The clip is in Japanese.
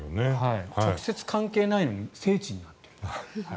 直接関係ないのに聖地になっているという。